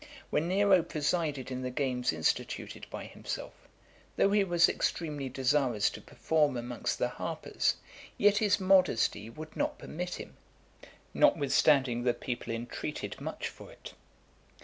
When Nero presided in the games instituted by himself, though he was extremely desirous to perform amongst the harpers, yet his modesty would not permit him, notwithstanding the people entreated much for it.